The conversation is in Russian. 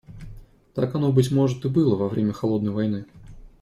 Так оно, быть может, и было во время "холодной войны".